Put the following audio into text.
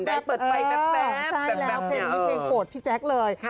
ใช่แล้วเพลงนี้เพลงโปรดพี่แจ๊คเลย